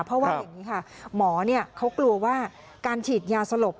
เพราะว่าหมอเขากลัวว่าการฉีดยาสลบ